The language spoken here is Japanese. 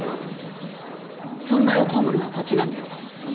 損害を被るのはこっちなんです。